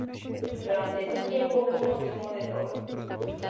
Durante ese tiempo hubo consumo de drogas.